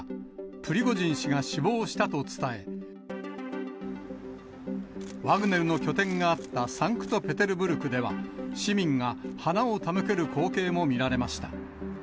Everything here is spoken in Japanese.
プリゴジン氏が死亡したと伝え、ワグネルの拠点があったサンクトペテルブルクでは、市民が花を手向ける光景も見られました。